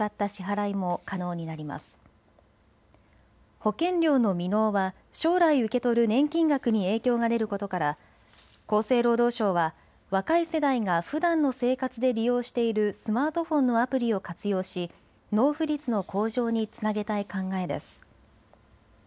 保険料の未納は将来受け取る年金額に影響が出ることから厚生労働省は若い世代がふだんの生活で利用しているスマートフォンのアプリを活用し納付率の向上につなげたい考えです。